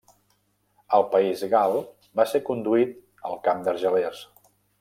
Al país gal, va ser conduït al Camp d'Argelers.